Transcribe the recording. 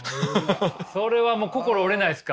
だからそれはもう心折れないですか？